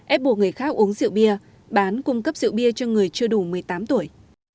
ép buộc người khác uống rượu bia bán cung cấp rượu bia cho người chưa đủ một mươi tám tuổi